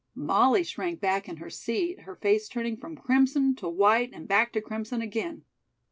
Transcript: Molly shrank back in her seat, her face turning from crimson to white and back to crimson again.